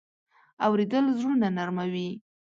اورېدل زړونه نرمه وي.